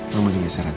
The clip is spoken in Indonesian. aku mau istirahat ya